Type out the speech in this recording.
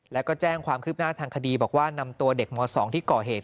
แล้วก็แจ้งความคืบหน้าทางคดีบอกว่านำตัวเด็กม๒ที่ก่อเหตุ